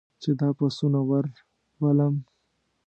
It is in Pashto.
چې دا پسونه ور ولم.